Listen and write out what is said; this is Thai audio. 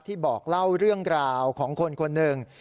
บอกเล่าเรื่องราวของคนคนหนึ่ง